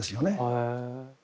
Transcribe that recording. へえ。